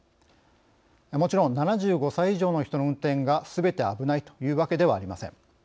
もちろん７５歳以上の人の運転がすべて危ないというわけではありません。